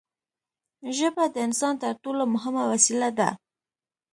ژبه د انسان تر ټولو مهمه وسیله ده.